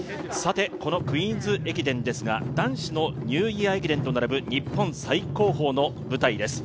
このクイーンズ駅伝ですが男子のニューイヤー駅伝と並ぶ日本最高峰の舞台です。